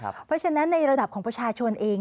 เพราะฉะนั้นในระดับของประชาชนเอง